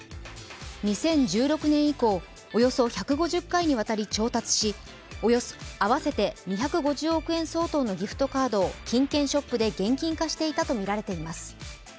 ２０１６年以降、およそ１５０回にわたり調達し合わせて２５０億円相当のギフトカードを金券ショップで現金化していたとみられます。